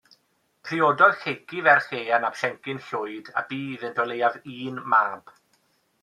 Priododd Lleucu ferch Ieuan ap Siencyn Llwyd a bu iddynt o leiaf un mab.